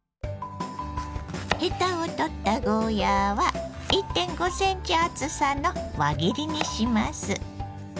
ヘタを取ったゴーヤーは１．５センチ厚さの輪切りにします。